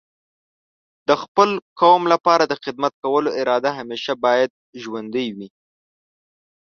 د خپل قوم لپاره د خدمت کولو اراده همیشه باید ژوندۍ وي.